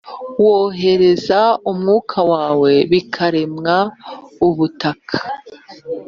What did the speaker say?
Wohereza umwuka wawe bikaremwa ubutaka